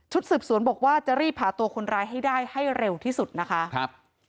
สืบสวนบอกว่าจะรีบหาตัวคนร้ายให้ได้ให้เร็วที่สุดนะคะครับ